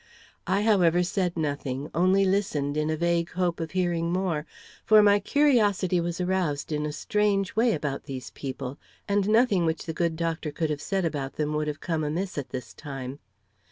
I, however, said nothing, only listened in a vague hope of hearing more, for my curiosity was aroused in a strange way about these people, and nothing which the good doctor could have said about them would have come amiss at this time.